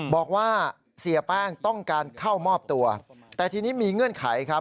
บอกว่าเสียแป้งต้องการเข้ามอบตัวแต่ทีนี้มีเงื่อนไขครับ